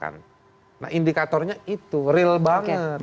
nah indikatornya itu real banget